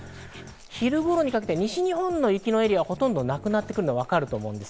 昼頃にかけて西日本の雪のエリアがなくなってくるのは分かると思います。